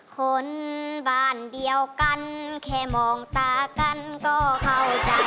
คนบ้านเดียวกันแค่มองตากันก็เข้าใจ